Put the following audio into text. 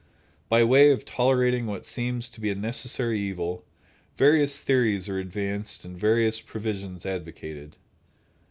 By way of tolerating what seems to be a necessary evil, various theories are advanced and various provisions advocated.